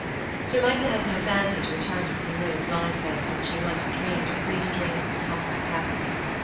Sir Michael has no fancy to return to the familiar dwelling place in which he once dreamed a brief dream of impossible happiness.